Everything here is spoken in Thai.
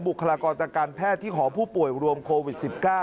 คลากรทางการแพทย์ที่หอผู้ป่วยรวมโควิด๑๙